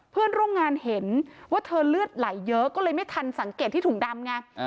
เพื่อนร่วมงานเห็นว่าเธอเลือดไหลเยอะก็เลยไม่ทันสังเกตที่ถุงดำไง